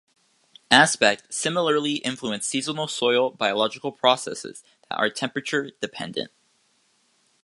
Aspect similarly influence seasonal soil biological processes that are temperature dependent.